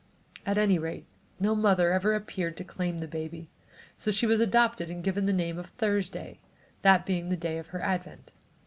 At any rate, no mother ever appeared to claim the baby, so she was adopted and given the name of Thursday, that being the day of her advent.